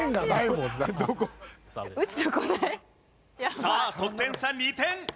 さあ得点差２点。